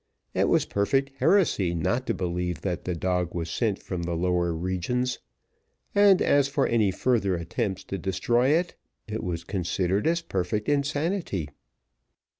It was perfect heresy not to believe that the dog was sent from the lower regions; and as for any further attempts to destroy it, it was considered as perfect insanity.